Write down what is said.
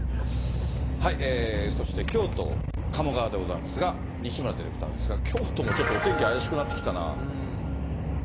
そして、京都・鴨川でございますが、西村ディレクターですが、京都もちょっとお天気怪しくなってきたな。